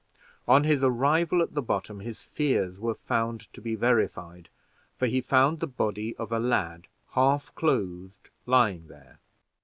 On his arrival at the bottom, his fears were found to be verified, for he saw the body of a lad, half clothed, lying there.